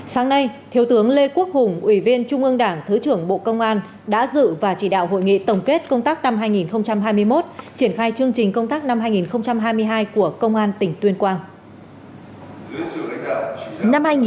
sáng nay thiếu tướng lê quốc hùng ủy viên trung ương đảng thứ trưởng bộ công an đã dự và chỉ đạo hội nghị tổng kết công tác năm hai nghìn hai mươi một triển khai chương trình công tác năm hai nghìn hai mươi hai của công an tỉnh tuyên quang